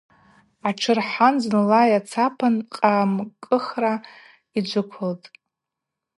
Атшы рхӏатӏ, зынла йацапан хъамкӏыхла йджвыквылтӏ.